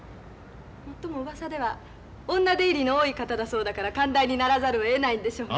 もっともうわさでは女出入りの多い方だそうだから寛大にならざるをえないんでしょう。